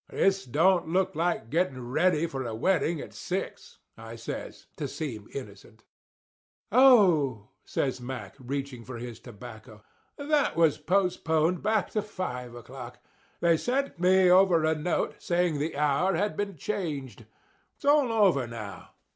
"This don't look like getting ready for a wedding at six," I says, to seem innocent. "Oh," says Mack, reaching for his tobacco, "that was postponed back to five o'clock. They sent me over a note saying the hour had been changed. It's all over now.